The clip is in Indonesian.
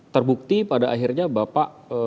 terbukti pada akhirnya bapak